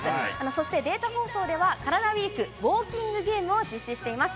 そしてデータ放送では、カラダＷＥＥＫウオーキングゲームを実施しています。